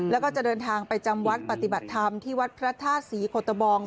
แล้วก็จะเดินทางไปจำวัดปฏิบัติธรรมที่วัดพระธาตุศรีโคตะบอง